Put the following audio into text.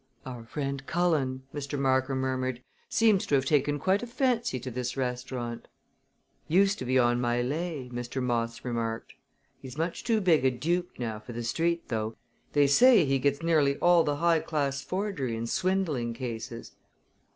"Our friend Cullen," Mr. Parker murmured, "seems to have taken quite a fancy to this restaurant." "Used to be on my lay," Mr. Moss remarked. "He's much too big a duke now for the street, though. They say he gets nearly all the high class forgery and swindling cases."